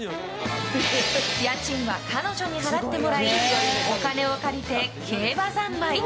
家賃は彼女に払ってもらいお金を借りて競馬三昧。